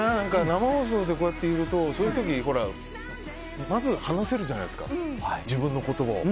生放送でこうやって言うとそういう時まず話せるじゃないですか自分の言葉を。